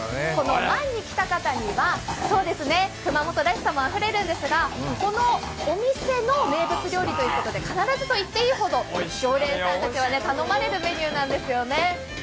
ＭＡＮに来た方には熊本らしさもあふれるんですが、このお店の名物料理ということで必ずと言っていいほど頼まれるメニューなんです。